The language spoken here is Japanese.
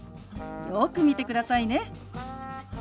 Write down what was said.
よく見てくださいね。